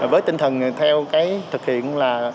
với tinh thần theo cái thực hiện là